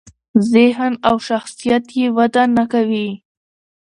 ذهن او شخصیت یې وده نکوي.